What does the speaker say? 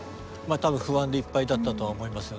多分不安でいっぱいだったとは思いますよね。